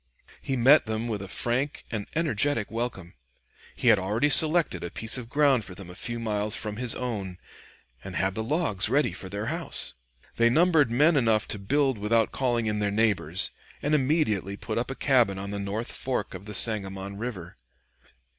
He met them with a frank and energetic welcome. He had already selected a piece of ground for them a few miles from his own, and had the logs ready for their house. They numbered men enough to build without calling in their neighbors, and immediately put up a cabin on the north fork of the Sangamon River.